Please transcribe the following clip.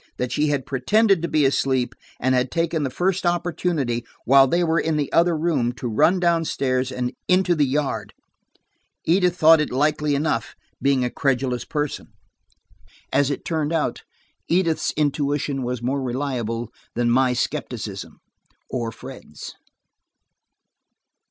That she had pretended to be asleep and had taken the first opportunity, while they were in the other room, to run down stairs and into the yard. Edith thought it likely enough, being a credulous person. As it turned out, Edith's intuition was more reliable than my skepticism,–or Fred's.